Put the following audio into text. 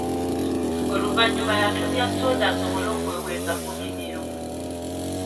Oluvannyuma yatumya sooda asobole okuweweza ku mimiro.